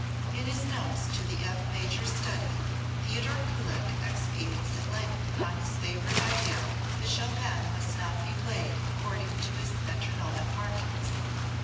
In his notes to the F major study Theodor Kullak expatiates at length upon his favorite idea that Chopin must not be played according to his metronomic markings.